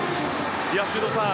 修造さん